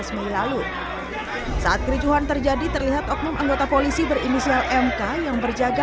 mili lalu saat kerucuhan terjadi terlihat oknum anggota polisi berinisial mk yang berjaga